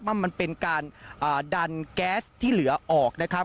มันเป็นการดันแก๊สที่เหลือออกนะครับ